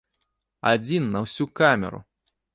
Адзін на ўсю камеру!